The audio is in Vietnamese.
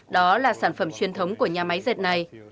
đó là sản phẩm truyền thống của nhà máy dệt này